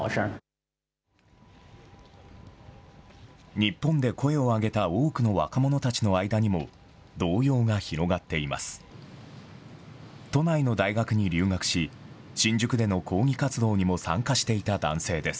日本で声を上げた多くの若者たちの間にも、動揺が広がっています。